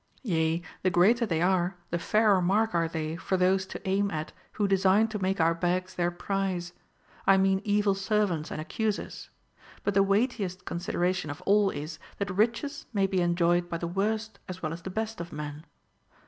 Yea, the greater they are, the fairer mark are they for those to aim at who design to make our bags their prize ; I mean evil servants and accusers. But OF THE TRAINING OF CHILDREN. 13 the Aveightiest consideration of all is, that riches may be enjoyed by the Avorst as well as the best of men.